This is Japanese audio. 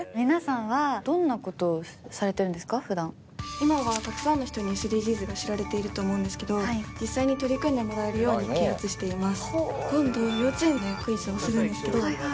今はたくさんの人にＳＤＧｓが知られていると思うんですけど実際に取り組んでもらえるように啓発しています。